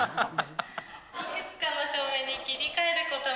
いくつかの照明に切り替えることも。